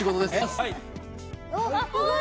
はい。